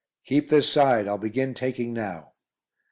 "Keep this side, I'll begin taking now."